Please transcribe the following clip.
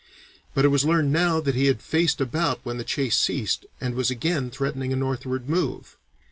But it was learned now that he had faced about when the chase ceased and was again threatening a northward move.